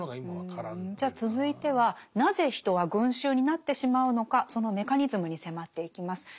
じゃあ続いてはなぜ人は群衆になってしまうのかそのメカニズムに迫っていきます。